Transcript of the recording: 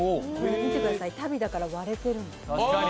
見てください、足袋だから割れてるの。